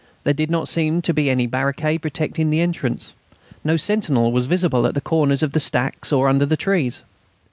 There did not seem to be any barricade protecting the entrance. No sentinel was visible at the corners of the stacks or under the trees.